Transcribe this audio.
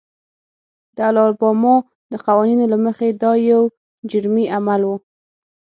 د الاباما د قوانینو له مخې دا یو جرمي عمل و.